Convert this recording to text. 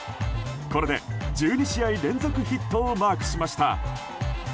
これで１２試合連続ヒットをマークしました。